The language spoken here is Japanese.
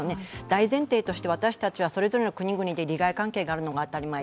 大前提として私たちはそれぞれの国々で利害関係があるのが当たり前。